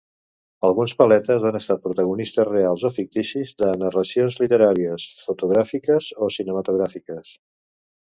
Alguns paletes han estat protagonistes reals o ficticis de narracions literàries, fotogràfiques o cinematogràfiques.